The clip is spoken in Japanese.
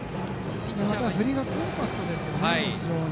振りがコンパクトですね、非常に。